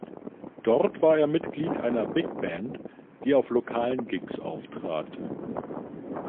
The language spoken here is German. Dort war er Mitglied einer Big Band, die auf lokalen Gigs auftrat.